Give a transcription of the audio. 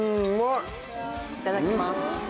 いただきます。